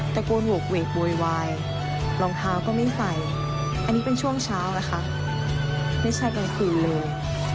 โกนโหกเวกโวยวายรองเท้าก็ไม่ใส่อันนี้เป็นช่วงเช้านะคะไม่ใช่กลางคืนเลย